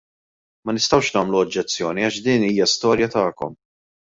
Ma nistgħux nagħmlu oġġezzjoni għax din hija storja tagħkom.